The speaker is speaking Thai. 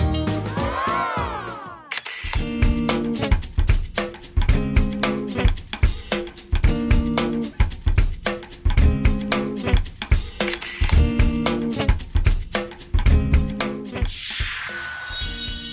บุรุษ